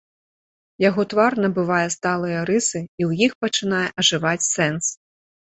Яго твар набывае сталыя рысы, і ў іх пачынае ажываць сэнс.